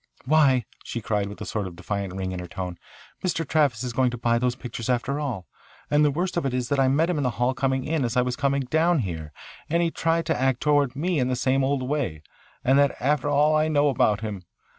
"Why," she cried with a sort of defiant ring in her tone, "Mr. Travis is going to buy those pictures after all. And the worst of it is that I met him in the hall coming in as I was coming down here, and he tried to act toward me in the same old way and that after all I know now about him.